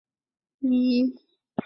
东面雕刻有一尊跪姿裸体人像。